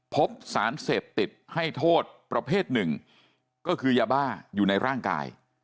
พบสารเสพติดให้โทษประเภทหนึ่งก็คือยาบ้าอยู่ในร่างกาย